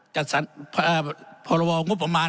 จัดสรรความประมาณ